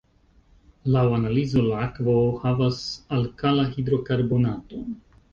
Laŭ analizo la akvo havas alkala-hidrokarbonaton.